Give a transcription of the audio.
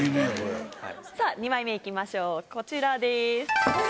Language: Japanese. さぁ２枚目行きましょうこちらです。